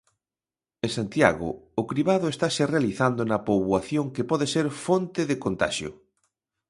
En Santiago o cribado estase realizando na poboación que pode ser fonte de contaxio.